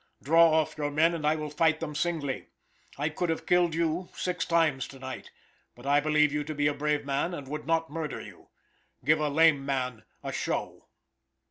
Draw off your men and I will fight them singly. I could have killed you six times to night, but I believe you to be a brave man, and would not murder you. Give a lame man a show."